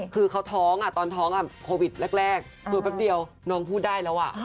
คือเขาท้องตอนท้องโควิดแรกตัวแป๊บเดียวน้องพูดได้แล้ว